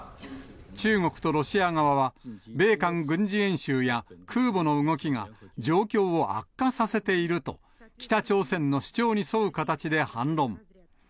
中国とロシア側は、米韓軍事演習や空母の動きが状況を悪化させていると、北朝鮮の主張に沿う形で反論。